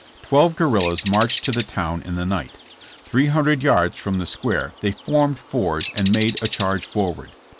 Twelve guerrillas marched to the town in the night. Three hundred yards from the square they formed fours and made a charge forward.